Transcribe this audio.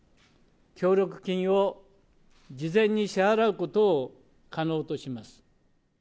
協力金を事前に支払うことを可能とします。